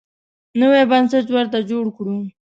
نوی بنسټ ورته جوړ کړو.